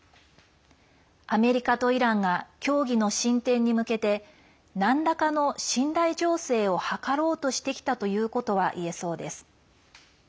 アメリカとイランが協議の進展に向けてなんらかの信頼醸成を図ろうとしてきたということはいえそうです。